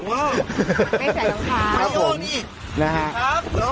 ไม่ใส่รองเท้าครับ